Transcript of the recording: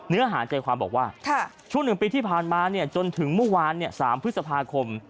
เนื้อหาใจความบอกว่าช่วง๑ปีที่ผ่านมาจนถึงเมื่อวาน๓พฤษภาคม